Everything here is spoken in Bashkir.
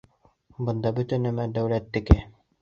Бында бөтә нәмә дәүләттеке.